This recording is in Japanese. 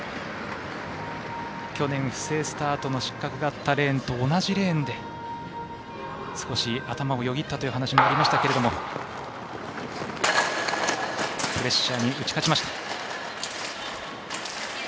去年、不正スタートの失格があったレーンと同じレーンで少し頭をよぎったという話もありましたけれどもプレッシャーに打ち勝ちました。